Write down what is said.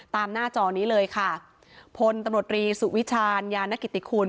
หน้าจอนี้เลยค่ะพลตำรวจรีสุวิชาญยานกิติคุณ